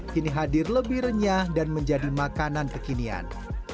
kini hadir lebih renyah dan menjadi makanan kekinian